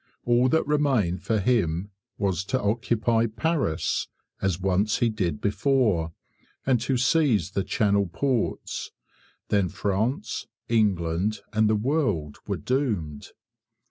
All that remained for him was to occupy Paris, as once he did before, and to seize the Channel ports. Then France, England, and the world were doomed.